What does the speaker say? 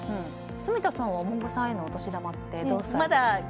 住田さんは、お孫さんへのお年玉ってどうされてるんですか。